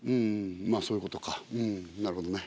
そういうことかなるほどね。